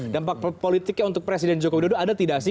dampak politiknya untuk presiden joko widodo ada tidak sih